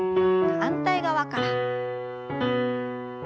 反対側から。